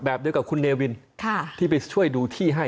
เดียวกับคุณเนวินที่ไปช่วยดูที่ให้